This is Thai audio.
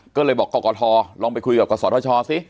ก็เลยบอกกรกฐลองไปคุยกับกษทชสิ